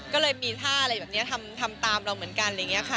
ก็เลยมีท่าอะไรแบบนี้ทำตามเราเหมือนกันอะไรอย่างนี้ค่ะ